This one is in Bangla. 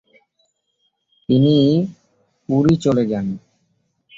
তিনি পুরী চলে যান।